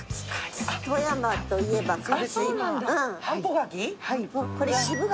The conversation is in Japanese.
富山といえば柿。